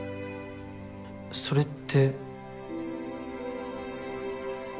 それって。